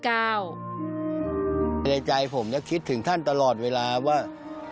ในใจผมจะคิดถึงท่านตลอดเวลาว่า